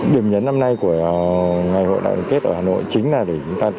điểm nhấn năm nay của ngày hội đảng kết ở hà nội chính là để chúng ta